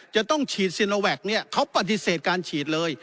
จะต้องฉีดซีโนแวคเนี่ยเขาปฏิเสธการฉีดเลย